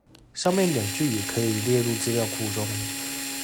上面兩句也可以列入資料庫中